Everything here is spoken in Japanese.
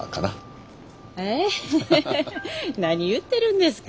何言ってるんですか？